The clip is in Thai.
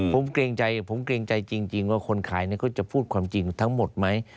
ผมเกรงใจผมเกรงใจจริงว่าคนขายเขาจะพูดความจริงทั้งหมดไหม